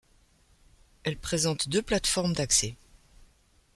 Elle présente deux plates-formes d'accès.